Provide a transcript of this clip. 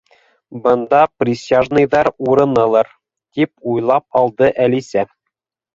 —Бында присяжныйҙар урынылыр, —тип уйлап алды Әлисә.